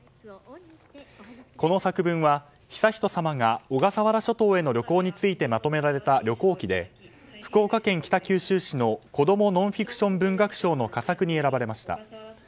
この作文は、悠仁さまが小笠原諸島への旅行についてまとめられた旅行記で、福岡県北九州市の子どもノンフィクション文学賞の佳作に選ばれました。